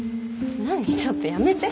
ちょっとやめて。